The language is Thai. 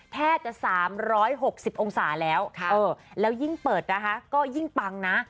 แทบจะ๓๖๐องศาแล้วแล้วยิ่งเปิดนะคะก็ยิ่งปังนะ